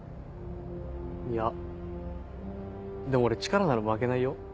いやでも俺力なら負けないよ。